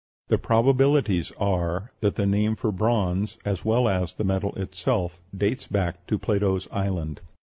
The probabilities are that the name for bronze, as well as the metal itself, dates back to Plato's island.